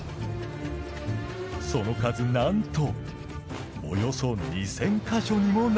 その数なんとおよそ２，０００か所にもなります。